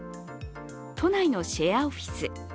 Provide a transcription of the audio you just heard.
都内のシェアオフィス。